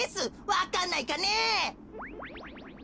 わかんないかねえ。